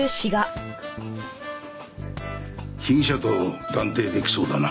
被疑者と断定できそうだな。